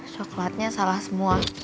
coklatnya salah semua